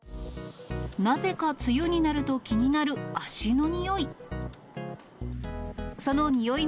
なぜか梅雨になると気になる足の臭い。